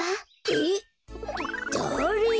えっ？だれ？